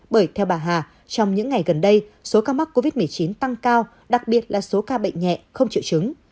bởi theo bà hà trong những ngày gần đây số ca mắc covid một mươi chín tăng cao đặc biệt là số ca bệnh nhẹ không chịu chứng